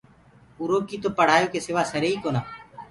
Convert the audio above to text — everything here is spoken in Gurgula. اُرو ڪي تو پڙهآيو ڪي سِوآ سري ئي ڪونآ۔